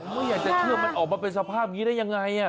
ไม่อยากจะเชื่อมันออกมาเป็นสภาพอย่างนี้ได้ยังไง